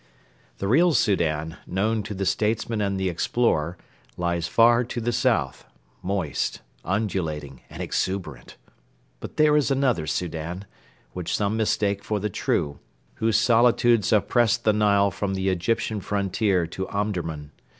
The real Soudan, known to the statesman and the explorer, lies far to the south moist, undulating, and exuberant. But there is another Soudan, which some mistake for the true, whose solitudes oppress the Nile from the Egyptian frontier to Omdurman.